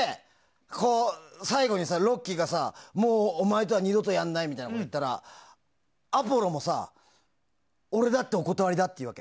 最後にロッキーがもうお前とは二度とやらないみたいなことを言ったらアポロも俺だってお断りだって言うわけ。